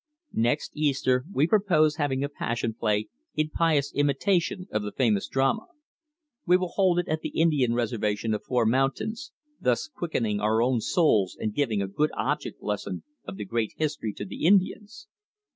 "Next Easter we propose having a Passion Play in pious imitation of the famous drama. We will hold it at the Indian reservation of Four Mountains, thus quickening our own souls and giving a good object lesson of the great History to the Indians."